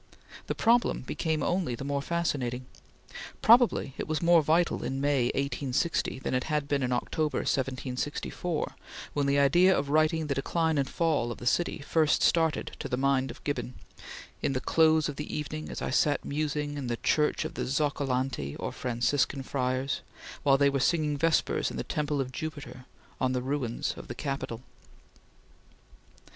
The problem became only the more fascinating. Probably it was more vital in May, 1860, than it had been in October, 1764, when the idea of writing the Decline and Fall of the city first started to the mind of Gibbon, "in the close of the evening, as I sat musing in the Church of the Zoccolanti or Franciscan Friars, while they were singing Vespers in the Temple of Jupiter, on the ruins of the Capitol."